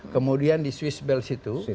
kemudian di swiss bell situ